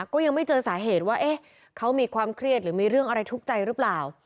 ก็ยังไม่เจอสาเหตุว่าเขามีความเครียดหรือมีเรื่องอะไรทุกข์ใจหรือเปล่า